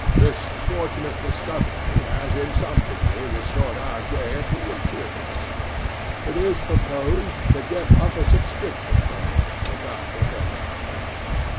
This fortunate discovery has in some degree restored our gaiety and cheerfulness. It is proposed to get up a subscription for him without delay.